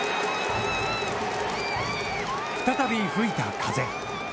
再び吹いた風。